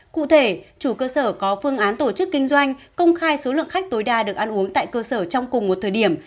cụ thể chủ cơ sở có phương án tổ chức kinh doanh công khai số lượng khách tối đa được ăn uống tại cơ sở trong cùng một thời điểm